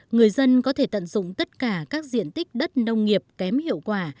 người dân có thể tận dụng tất cả các diện tích đất nông nghiệp kém hiệu quả